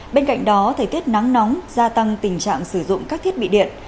bên cạnh đó thời tiết nắng nóng gia tăng tình trạng sử dụng các thiết bị điện